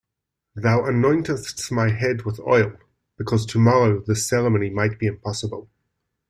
"Thou anointest my head with oil" because tomorrow this ceremony might be impossible.